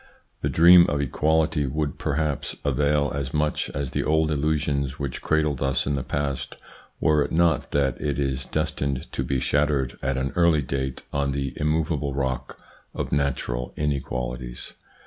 The dream of equality would perhaps avail as much as the old illusions which cradled us in the past, were it not that it is destined to be shattered at an early date on the immovable rock of natural inequalities.